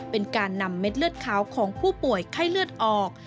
เป็นการนำเม็ดเลือดขาวของผู้ป่วยไข้เลือดออก